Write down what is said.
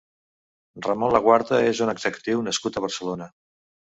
Ramon Laguarta és un executiu nascut a Barcelona.